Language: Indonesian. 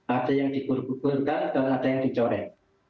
ada yang dikuluk kulukkan dan ada yang dicorek